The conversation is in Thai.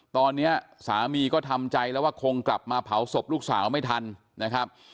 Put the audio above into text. ตอนนี้สามีก็ทำใจแล้วว่าคงกลับมาเผาศพลูกสาวไม่ทันนะครับ